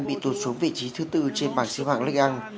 bị tụt xuống vị trí thứ bốn trên bảng siêu hạng ligue một